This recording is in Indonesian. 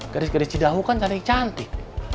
gadis gadis cidahu kan cantik cantik